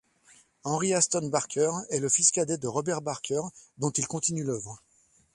Henry Aston Barker est le fils cadet de Robert Barker, dont il continue l'œuvre.